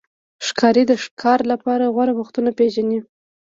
ښکاري د ښکار لپاره غوره وختونه پېژني.